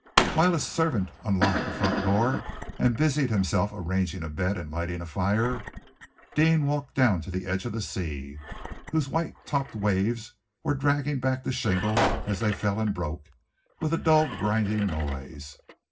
While his servant unlocked the front door and busied himself arranging a bed and lighting a fire, Deane walked down to the edge of the sea, whose white topped waves were dragging back the shingle as they fell and broke, with a dull, grinding noise.